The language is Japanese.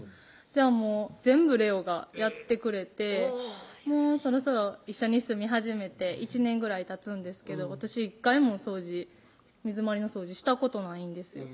じゃあもう全部玲央がやってくれてもうそろそろ一緒に住み始めて１年ぐらいたつんですけど私１回も水回りの掃除したことないんですよ